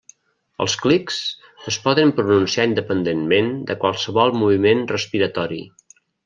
Els clics es poden pronunciar independentment de qualsevol moviment respiratori.